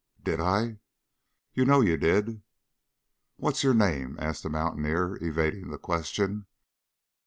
"Did I?" "You know you did." "What's your name?" asked the mountaineer, evading the question.